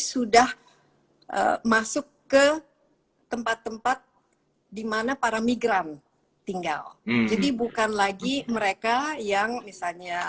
sudah masuk ke tempat tempat dimana para migran tinggal jadi bukan lagi mereka yang misalnya